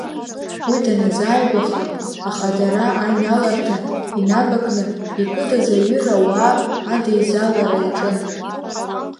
Уа даназааигәаха, ахадара аҩналарҭа инавакны икыдыз аҩыра ауаа адеизалара иаҿын.